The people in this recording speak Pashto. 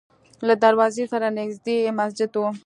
له دروازې سره نږدې یې مسجد و.